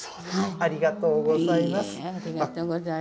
ありがとうございます。